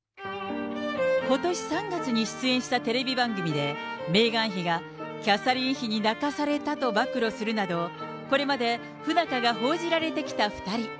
ことし３月に出演したテレビ番組で、メーガン妃がキャサリン妃に泣かされたと暴露するなど、これまで不仲が報じられてきた２人。